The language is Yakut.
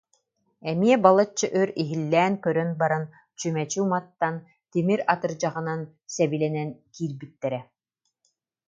Эмиэ балачча өр иһиллээн көрөн баран чүмэчи уматтан, тимир атырдьаҕынан сэбилэнэн киирбиттэрэ